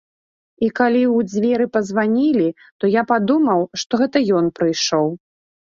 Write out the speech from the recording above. І калі ў дзверы пазванілі, то я падумаў, што гэта ён прыйшоў.